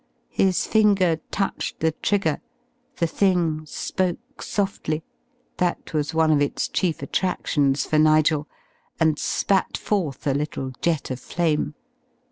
His finger touched the trigger, the thing spoke softly that was one of its chief attractions for Nigel and spat forth a little jet of flame.